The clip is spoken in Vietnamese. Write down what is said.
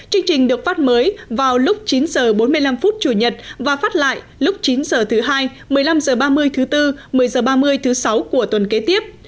chương trình được phát mới vào lúc chín h bốn mươi năm chủ nhật và phát lại lúc chín h thứ hai một mươi năm h ba mươi thứ bốn một mươi h ba mươi thứ sáu của tuần kế tiếp